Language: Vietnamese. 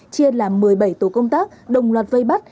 chia làm một mươi bảy tổ công tác đồng loạt vây bắt